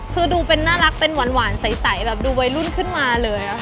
คือดูเป็นน่ารักเป็นหวานใสแบบดูวัยรุ่นขึ้นมาเลยค่ะ